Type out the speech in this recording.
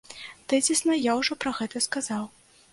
Тэзісна я ўжо пра гэта сказаў.